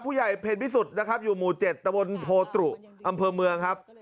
ผู้ใหญ่เพ็ญพิสุทธิ์นะครับอยู่หมู่๗ตะบนโพตรุอำเภอเมืองครับ